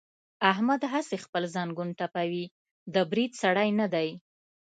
احمد هسې خپل زنګون ټپوي، د برید سړی نه دی.